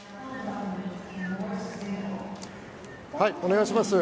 お願いします。